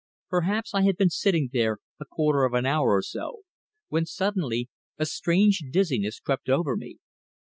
Perhaps I had been sitting there a quarter of an hour or so, when suddenly a strange dizziness crept over me.